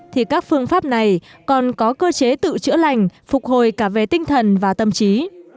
thì các phương pháp này còn có cơ chế tự chữa lành phục hồi cả về tinh thần và tâm trí